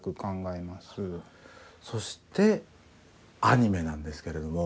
そしてアニメなんですけれども。